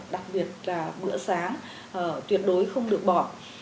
đặc biệt là bữa sáng tuyệt đối không được bỏ